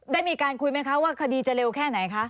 ได้มีการคุยไหมคะว่าคดีจะเร็วแค่ไหนคะ